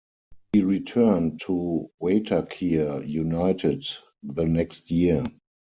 He returned to Waitakere United the next year.